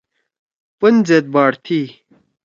پن زید باٹ تھی۔